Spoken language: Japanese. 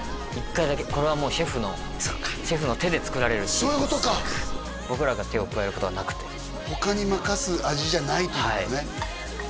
１回だけこれはもうシェフのシェフの手で作られるチーズなのでそういうことか僕らが手を加えることはなくて他に任す味じゃないということだね